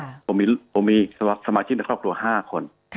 ผมมีสมาชิกในครอบครัว๕คน